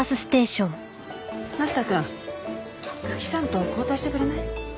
那須田くん九鬼さんと交代してくれない？